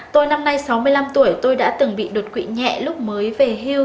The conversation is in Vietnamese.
tôi năm nay sáu mươi năm tuổi tôi đã từng bị đột quỵ nhẹ lúc mới về hưu